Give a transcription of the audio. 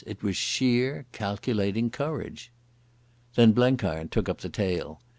It was sheer calculating courage. Then Blenkiron took up the tale.